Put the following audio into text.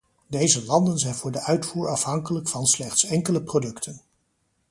Deze landen zijn voor de uitvoer afhankelijk van slechts enkele producten.